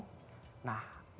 nah berapakah kerugian finansial